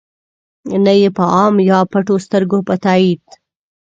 نه ېې په عام یا پټو سترګو په تایید.